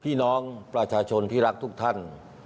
พี่น้องประชาชนที่รักทุกท่าน